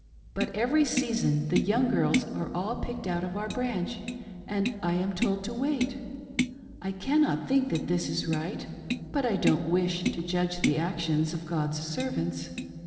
24I but every season the young girls are all picked out of our branch, and I am told to wait. I cannot think that this is right, but I don't wish to judge the actions of God's servants.